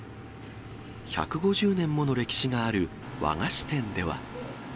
１５０年もの歴史がある和菓子店では。